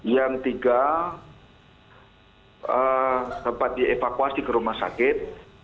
yang tiga sempat dievakuasi ke rumah sakit